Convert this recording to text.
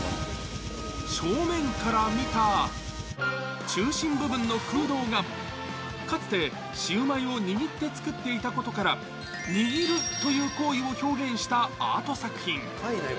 正面から見た中心部分の空洞が、かつてシウマイを握って作っていたことから、握るという行為を表現したアート作品。